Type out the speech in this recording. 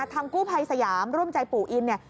ทางกู้ภัยสยามร่วมใจปู่อินเนี่ย